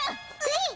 えっ？